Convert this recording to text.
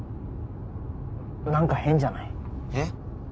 なんか変じゃない？え？